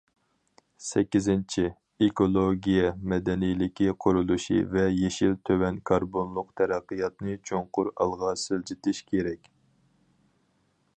سەككىزىنچى، ئېكولوگىيە مەدەنىيلىكى قۇرۇلۇشى ۋە يېشىل، تۆۋەن كاربونلۇق تەرەققىياتنى چوڭقۇر ئالغا سىلجىتىش كېرەك.